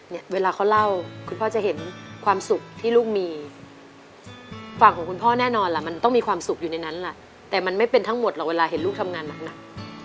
เนี่ยเวลาเขาเล่าคุณพ่อจะเห็นความสุขที่ลูกมีฝั่งของคุณพ่อแน่นอนล่ะมันต้องมีความสุขอยู่ในนั้นแหละแต่มันไม่เป็นทั้งหมดหรอกเวลาเห็นลูกทำงานหนัก